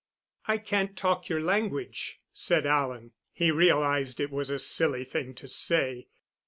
"I can't talk your language," said Alan. He realized it was a silly thing to say.